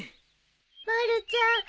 まるちゃん